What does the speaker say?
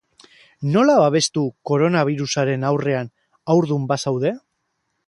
Nola babestu koronabirusaren aurrean, haurdun bazaude?